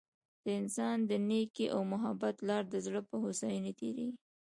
د انسان د نیکۍ او محبت لار د زړه په هوسايۍ تیریږي.